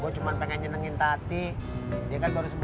cuma pengen nyenengin tadi jagaan terus sakit